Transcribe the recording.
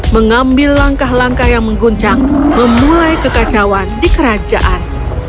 mengambil langkah langkah yang mengguncang memulai kekacauan di kerajaan